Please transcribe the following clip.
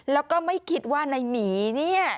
แล้วก็ไม่คิดว่าในหมีเนี่ย